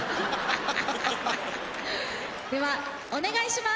ではお願いします。